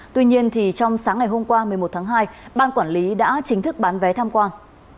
tuy nhiên trong sáng ngày hôm qua một mươi một tháng hai ban quản lý đã chính thức bán vé tham quan